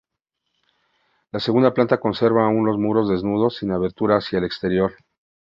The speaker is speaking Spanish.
La segunda planta conserva aún los muros desnudos, sin abertura hacia el exterior.